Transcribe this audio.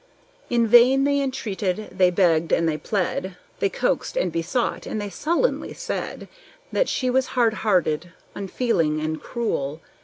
In vain they entreated, they begged and they plead, They coaxed and besought, and they sullenly said That she was hard hearted, unfeeling, and cruel.